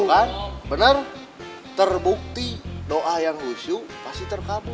tuh kan bener terbukti doa yang usyuk pasti terkamu